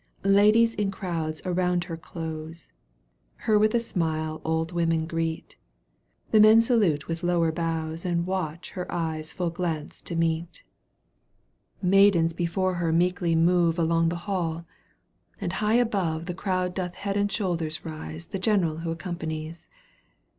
liadies in crowds around her close. Her with a snule old women greet. The men salute with lower bows And watch her eye's full glance to meet. Digitized by CjOOQ 1С 230 EUGENE ONEGUINK canto vin. Maidens before her meekly move Along the hall, and high above The crowd doth head and shoulders rise The general who accompanies.